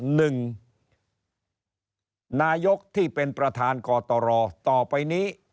หนึ่งนายกที่เป็นประธานกตรต่อไปนี้